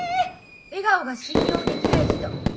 「笑顔が信用できない人」。